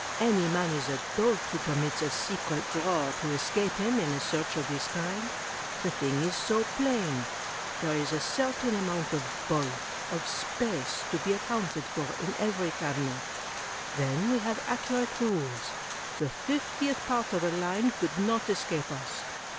Any man is a dolt who permits a 'secret* drawer to escape him in a search of this kind. The thing is so plain. There is a certain amount of bulk — of space — ^to be accounted for in every cabinet. Then we have accurate rules. The fiftieth part of a line could not escape us.